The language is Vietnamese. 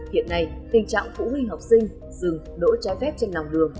hiện nay tình trạng phụ huynh học sinh dừng đỗ trái phép trên lòng đường